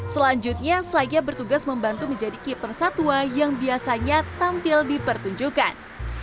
selanjutnya saya bertugas membantu menjadi keeper satwa yang biasanya tampil di pertunjukan